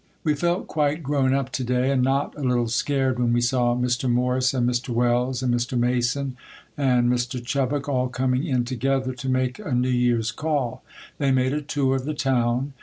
_ We felt quite grown up to day and not a little scared when we saw Mr. Morse and Mr. Wells and Mr. Mason and Mr. Chubbuck all coming in together to make a New Year's call. They made a tour of the town.